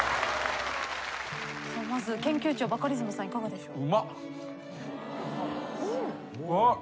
まず研究長バカリズムさんいかがでしょう？